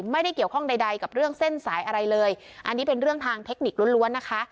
ไม่ได้เกี่ยวข้องใดใดกับเรื่องเส้นสายอะไรเลยอันนี้เป็นเรื่องทางเทคนิคล้วนนะคะ